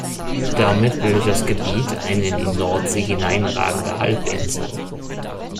Damit bildet das Gebiet eine in die Nordsee hineinragende Halbinsel.